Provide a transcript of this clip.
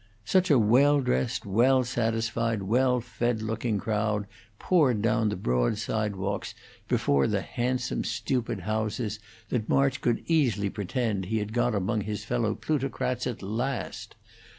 Such a well dressed, well satisfied, well fed looking crowd poured down the broad sidewalks before the handsome, stupid houses that March could easily pretend he had got among his fellow plutocrats at last.